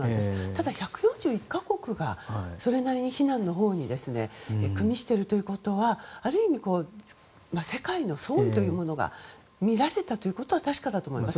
ただ、１４１か国が避難のほうにくみしているということはある意味、世界の相違が見られたということは確かだと思います。